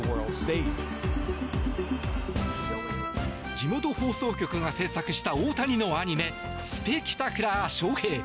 地元放送局が制作した大谷のアニメ「スペキュタクラーショウヘイ」。